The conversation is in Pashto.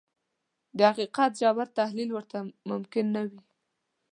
د حقيقت ژور تحليل ورته ممکن نه وي.